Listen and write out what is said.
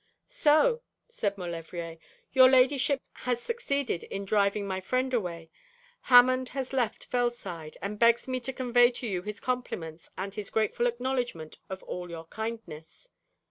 'So,' said Maulevrier, 'your ladyship has succeeded in driving my friend away. Hammond has left Fellside, and begs me to convey to you his compliments and his grateful acknowledgment of all your kindness.'